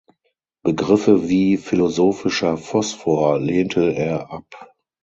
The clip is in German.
Begriffe wie "philosophischer Phosphor" lehnte er ab.